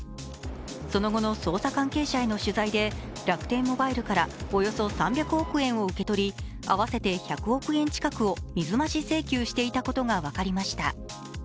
その後の捜査関係者への取材で楽天モバイルからおよそ３００億円を受け取り合わせて１００億円近くを水増し請求していたことが分かりました。